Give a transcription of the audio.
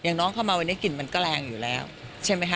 น้องเข้ามาวันนี้กลิ่นมันก็แรงอยู่แล้วใช่ไหมคะ